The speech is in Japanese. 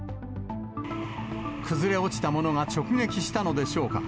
崩れ落ちたものが直撃したのでしょうか。